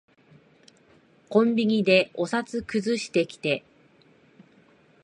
コンビニでお札くずしてきて。